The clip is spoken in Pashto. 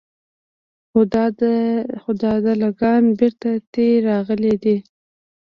خو دا دله ګان بېرته تې راغلي دي.